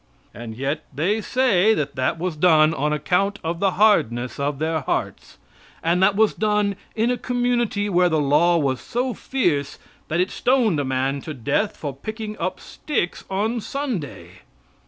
And yet they say that that was done on account of the hardness of their hearts; and that was done in a community where the law was so fierce that it stoned a man to death for picking up sticks on Sunday.